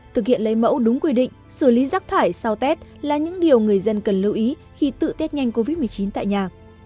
thực hiện lấy mẫu đúng quy định xử lý rác thải sau tết là những điều người dân cần lưu ý khi tự tết nhanh covid một mươi chín tại nhà